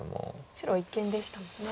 白は一間でしたもんね。